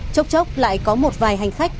chốc chốc lại có một vài hành khách